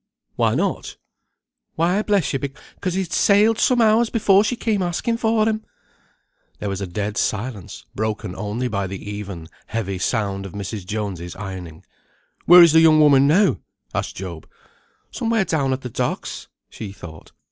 "Why not?" "Why, bless you, 'cause he had sailed some hours before she came asking for him." There was a dead silence, broken only by the even, heavy sound of Mrs. Jones's ironing. "Where is the young woman now?" asked Job. "Somewhere down at the docks," she thought.